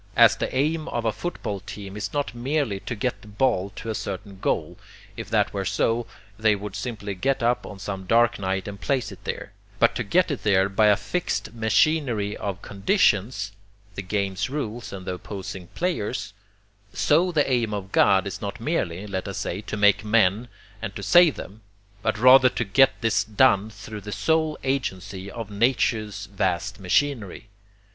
As the aim of a football team is not merely to get the ball to a certain goal (if that were so, they would simply get up on some dark night and place it there), but to get it there by a fixed MACHINERY OF CONDITIONS the game's rules and the opposing players; so the aim of God is not merely, let us say, to make men and to save them, but rather to get this done through the sole agency of nature's vast machinery.